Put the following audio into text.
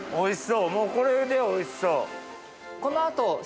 もうこれでおいしそう。